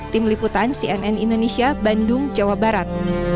tim liputan cnn indonesia bandung jawa barat